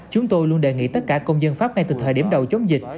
chúng tôi luôn đề nghị tất cả công dân pháp ngay từ thời điểm đầu chống dịch